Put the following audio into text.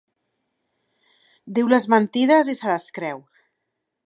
Diu les mentides i se les creu.